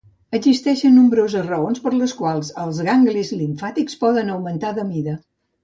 Existeixen nombroses raons per les quals els ganglis limfàtics poden augmentar de mida.